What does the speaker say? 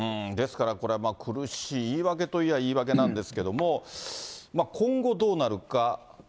ですから、これは苦しい言い訳といえば言い訳なんですけれども、今後どうなるか。